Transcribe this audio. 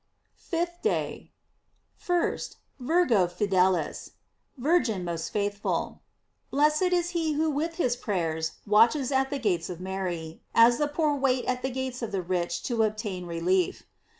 FIFTH DAY. 1st. " Virgo fidelis:" Virgin most faithful. Blessed is he who with his prayers, watches at the gates of Mary, as the poor wait at the gates of the rich to obtain relief!